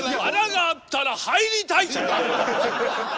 穴があったら入りたい！